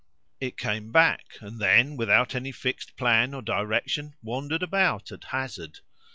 It came back; and then, without any fixed plan or direction, wandered about at hazard.